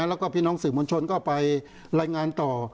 แล้วก็พี่น้องสื่อมวลชนก็ไปรายงานต่อ